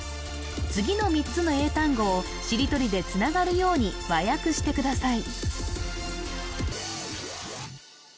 次の３つの英単語をしりとりでつながるように和訳してください